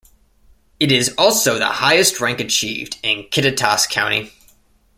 It is also the highest rank achieved in Kittitas County.